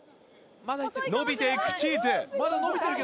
伸びて行くチーズ。